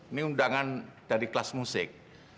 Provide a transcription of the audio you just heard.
ini undangan dari kelas musik